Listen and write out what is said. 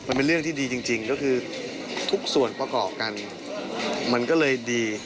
มันเป็นเรื่องที่ดีจริงก็คือทุกส่วนประกอบกันมันก็เลยดี